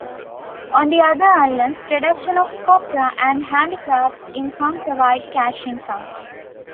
On the outer islands, production of copra and handicrafts income provide cash income.